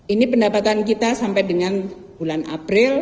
ini pendapatan kita sampai dengan bulan april